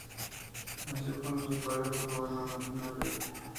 Nació cuando su padre fue gobernador de Nueva York.